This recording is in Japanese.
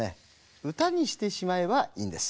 うたにしてしまえばいいんです。